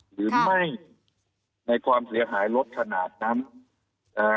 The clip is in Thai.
หรือไม่ในความเสียหายลดขนาดนั้นเอ่อ